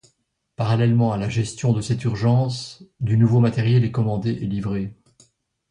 Parallèlement à la gestion de cette urgence, du nouveau matériel est commandé et livré.